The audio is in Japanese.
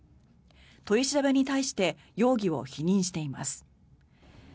取り調べに対して容疑を否認しています。